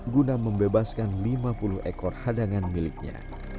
guna membebaskan lima puluh ekor hadangan miliknya